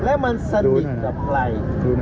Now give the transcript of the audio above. แล้วมันสนิทกับใคร